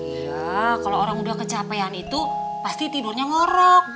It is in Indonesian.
iya kalau orang udah kecapean itu pasti tidurnya ngorok